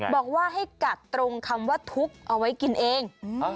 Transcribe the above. บอกว่าให้กัดตรงคำว่าทุกข์เอาไว้กินเอง